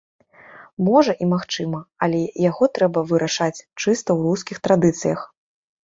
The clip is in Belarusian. Можа, і магчыма, але яго трэба вырашаць чыста ў рускіх традыцыях.